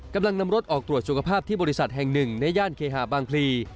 กำลังนำรถออกตรวจสุขภาพที่บริษัทแห่งหนึ่งในย่านเคหาบางพลี